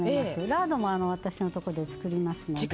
ラードも私のとこで作りますので。